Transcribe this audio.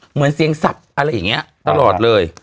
เหมือนเสียงสับอะไรอย่างนี้ตลอดเลย